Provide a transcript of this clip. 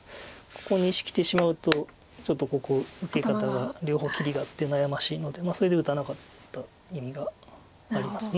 ここに石きてしまうとちょっとここ受け方が両方切りがあって悩ましいのでそれで打たなかった意味があります。